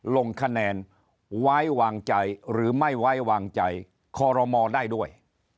ลงคะแนนไว้วางใจหรือไม่ไว้วางใจคอรมอลได้ด้วย